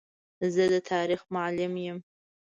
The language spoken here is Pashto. زه د تاریخ معلم یم.